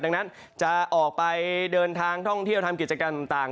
ดังนั้นจะออกไปเดินทางท่องเที่ยวทำกิจกรรมต่าง